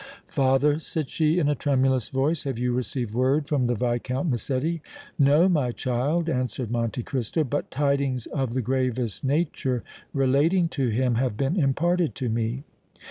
"Father," said she, in a tremulous voice, "have you received word from the Viscount Massetti?" "No, my child," answered Monte Cristo; "but tidings of the gravest nature relating to him have been imparted to me."